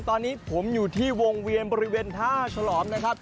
ตอนนี้ผมอยู่ที่วงเวียนบริเวณท่าฉลอมนะครับ